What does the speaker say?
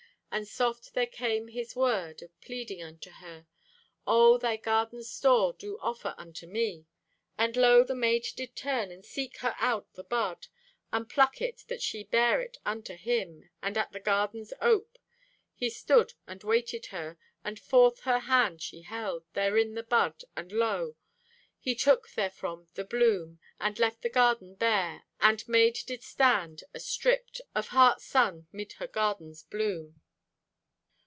And soft there came His word Of pleading unto her: "O' thy garden's store do offer unto me." And lo, the maid did turn and seek her out the bud, And pluck it that she bear it unto Him. And at the garden's ope He stood and waited her. And forth her hand she held, therein the bud, And lo, He took therefrom the bloom And left the garden bare, And maid did stand astripped Of heart's sun 'mid her garden's bloom.